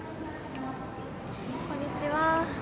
こんにちは。